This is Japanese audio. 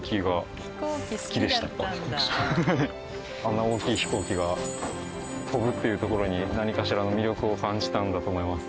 あんな大きい飛行機が飛ぶっていうところに何かしらの魅力を感じたのだと思います。